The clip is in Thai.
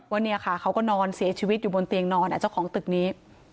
เนี่ยค่ะเขาก็นอนเสียชีวิตอยู่บนเตียงนอนเจ้าของตึกนี้